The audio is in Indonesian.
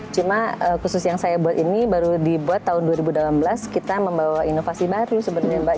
cuma khusus yang saya buat ini baru dibuat tahun dua ribu delapan belas kita membawa inovasi baru sebenarnya mbak